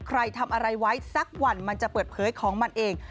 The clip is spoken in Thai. ใครทำอะไรไว้สักวันมันจะเปิดเผยของมันเอง